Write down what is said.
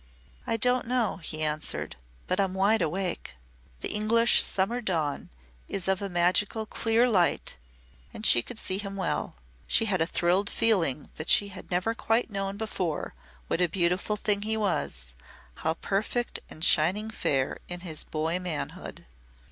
"I don't know," he answered, "but I'm wide awake." The English summer dawn is of a magical clear light and she could see him well. She had a thrilled feeling that she had never quite known before what a beautiful thing he was how perfect and shining fair in his boy manhood.